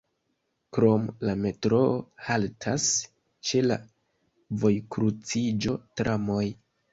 Krom la metroo haltas ĉe la vojkruciĝo tramoj.